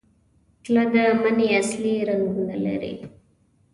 تله د مني اصلي رنګونه لري.